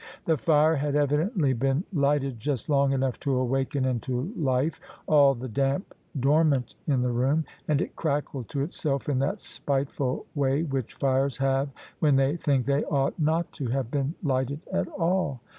The fire had evidently been lighted just long enough to awaken into life all the damp dormant in the room: and it crackled to itself in that spiteful way which fires have when they think they ought not to have been lighted at all.